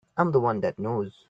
I'm the one that knows.